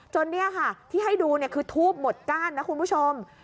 เนี่ยค่ะที่ให้ดูคือทูบหมดก้านนะคุณผู้ชม